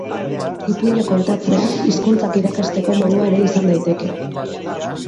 Ipuinak kontatzea hizkuntzak irakasteko modua ere izan daiteke.